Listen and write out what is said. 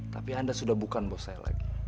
tapi anda sudah bukan bos saya lagi